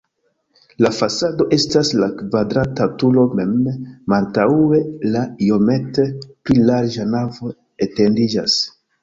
La fasado estas la kvadrata turo mem, malantaŭe la iomete pli larĝa navo etendiĝas.